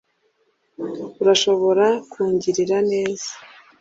Urashobora kungirira neza